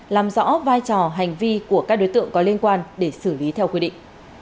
làm rõ vai trò hành vi của các đối tượng có liên quan để xử lý theo quy định